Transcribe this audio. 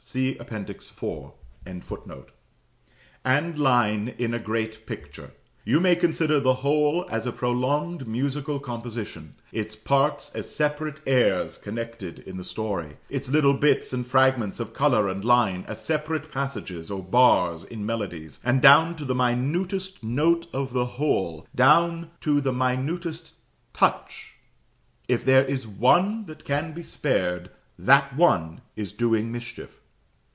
See Appendix IV.] and line in a great picture. You may consider the whole as a prolonged musical composition: its parts, as separate airs connected in the story; its little bits and fragments of colour and line, as separate passages or bars in melodies; and down to the minutest note of the whole down to the minutest touch, if there is one that can be spared that one is doing mischief.